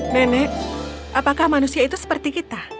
nenek apakah manusia itu seperti kita